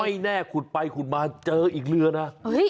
ไม่แน่ว่าคุณไปคุณมาเจออีกเรือน่ะ